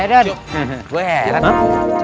biar gue beri diri